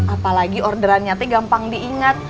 apalagi orderannya gampang diingat